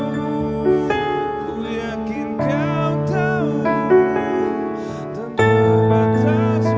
hai hanya sakit hati yang tersisa disini